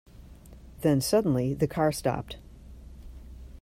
Then suddenly the car stopped.